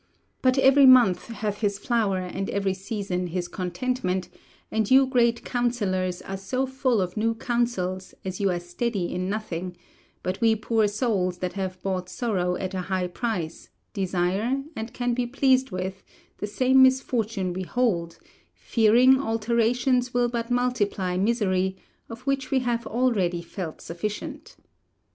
But every month hath his flower and every season his contentment, and you great councillors are so full of new councils, as you are steady in nothing, but we poor souls that have bought sorrow at a high price, desire, and can be pleased with, the same misfortune we hold, fearing alterations will but multiply misery, of which we have already felt sufficient.'